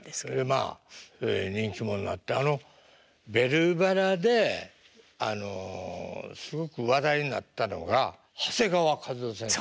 まあ人気者になってあの「ベルばら」であのすごく話題になったのが長谷川一夫先生が。